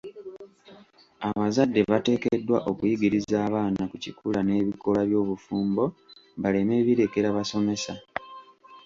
Abazadde bateekeddwa okuyigiriza abaana ku kikula n'ebikolwa by'obufumbo baleme birekera basomesa.